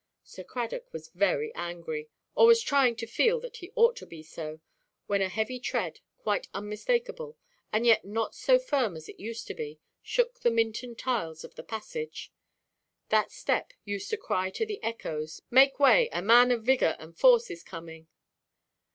Sir Cradock was very angry, or was trying to feel that he ought to be so, when a heavy tread, quite unmistakable, and yet not so firm as it used to be, shook the Minton tiles of the passage. That step used to cry to the echoes, "Make way; a man of vigour and force is coming."